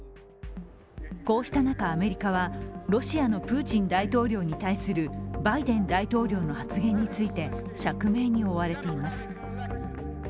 こうした中アメリカは、ロシアのプーチン大統領に対するバイデン大統領の発言について釈明に追われています。